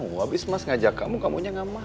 ya harus mau abis mas ngajak kamu kamu nya gak mau